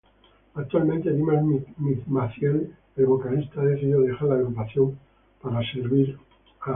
Actualmente Dimas Maciel el vocalista ha decidido dejar la agrupación para servir a Cristo.